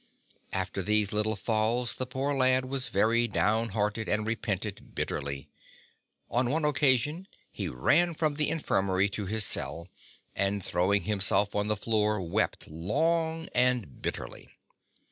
After these little falls the poor lad was very downhearted and repented bitterly. On one occasion he ran from the infirmary to his cell and throwing himself on the floor wept long and bitterly.